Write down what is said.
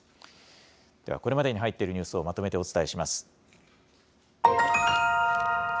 では、これまでに入っているニュースをまとめてお伝えします。